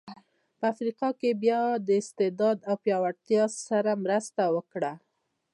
په افریقا کې یې بیا استبداد او پیاوړتیا سره مرسته وکړه.